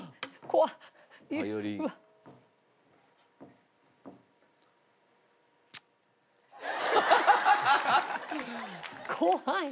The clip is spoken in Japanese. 怖い。